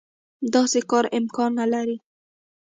داسې کار امکان نه لري.